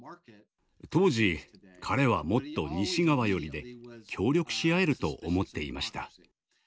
当時彼はもっと西側寄りで協力し合えると思っていました。